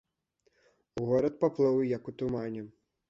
Горад паплыў як у тумане.